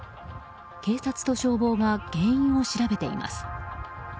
警察と消防が原因を調べています。